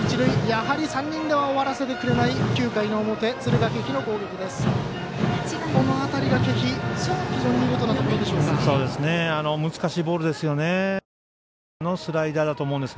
やはり３人では終わらせてくれない９回の表敦賀気比の攻撃です。